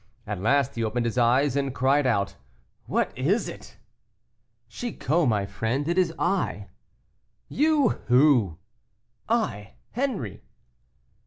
At last he opened his eyes and cried out, "What is it?" "Chicot, my friend, it is I." "You; who?" "I, Henri."